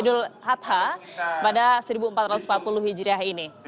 idul adha pada seribu empat ratus empat puluh hijriah ini